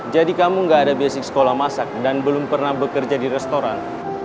jadi kamu nggak ada basic sekolah masak dan belum pernah bekerja di restoran